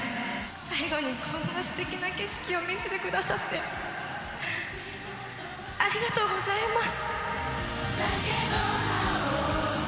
最後にこんなすてきな景色を見せてくださって、ありがとうございます。